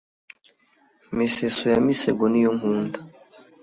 miseso ya misego niyo nkunda